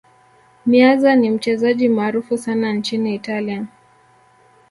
meazza ni mchezaji maarufu sana nchini italia